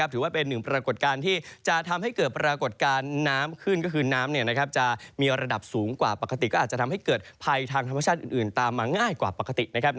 ถือว่าเป็นปรากฏการณ์ที่ทำให้เกิดปรากฏการณ์น้ำขึ้นคือน้ำอันดับสูงกว่าการน้ำปกติ